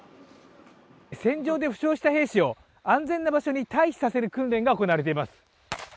戦場で負傷した兵士を安全な場所に退避させる訓練が行われています。